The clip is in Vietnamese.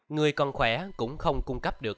người còn khỏe cũng không cung cấp được